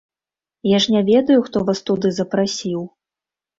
Я ж не ведаю, хто вас туды запрасіў.